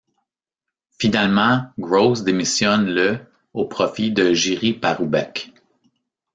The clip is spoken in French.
Finalement, Gross démissionne le au profit de Jiří Paroubek.